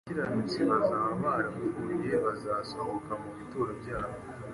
Abakiranutsi bazaba barapfuye bazasohoka mu bituro byabo